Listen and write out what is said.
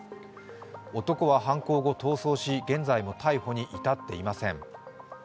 男は犯行後逃走し、現在も逮捕に至っていません。